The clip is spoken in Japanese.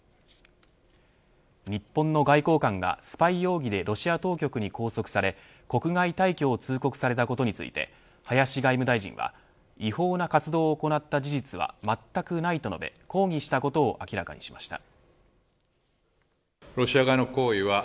日本の外交官がスパイ容疑でロシア当局に拘束され国外退去を通告されたことについて林外務大臣は違法な活動を行った事実はまったくないと述べ抗議したことを明らかにしました。